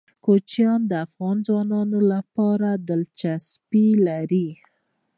کوچیان د افغان ځوانانو لپاره دلچسپي لري.